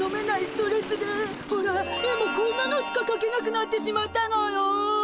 ストレスでほら絵もこんなのしかかけなくなってしまったのよ。